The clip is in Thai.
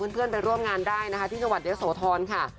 เพื่อนไปร่วมงานได้นะคะที่จังหวัดเยอะโสธรค่ะ